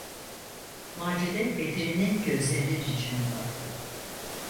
Macide, Bedri’nin gözlerinin içine baktı.